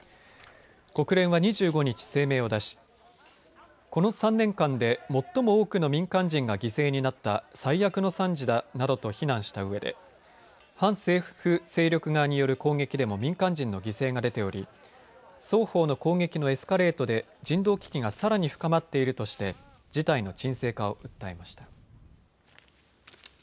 国連は２５日、声明を出しこの３年間で最も多くの民間人が犠牲になった最悪の惨事だなどと非難したうえで反政府勢力側による攻撃でも民間人の犠牲が出ており双方の攻撃のエスカレートで人道危機がさらに深まっているとして事態の鎮静化を訴えました。